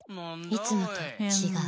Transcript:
いつもとちがう。